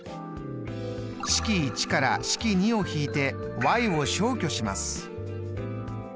式１から式２を引いてｙを消去します。